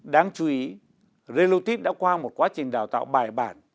đáng chú ý relotip đã qua một quá trình đào tạo bài bản